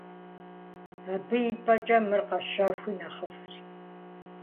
Абы и пӀэкӀэ мыр къэщэхуи нэхъыфӏщ.